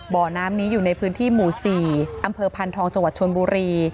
บ่อน้ำนี้อยู่ในพื้นที่หมู่๔อำเภอพันธองจังหวัดชนบุรี